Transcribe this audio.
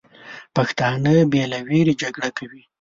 پښتانه بې له ویرې جګړه کوي.